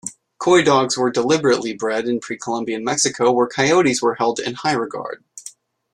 Coydogs were deliberately bred in Pre-Columbian Mexico, where coyotes were held in high regard.